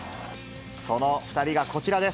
その２人がこちらです。